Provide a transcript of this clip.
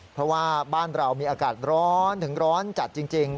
เพราะว่าบ้านเรามีอากาศร้อนถึงร้อนจัดจริง